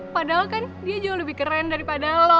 padahal kan dia jauh lebih keren daripada lo